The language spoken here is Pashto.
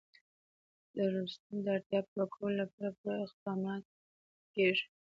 د رسوب د اړتیاوو پوره کولو لپاره پوره اقدامات کېږي.